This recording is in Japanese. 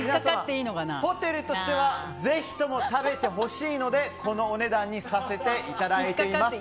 ホテルとしてはぜひとも食べてほしいのでこのお値段にさせていただいています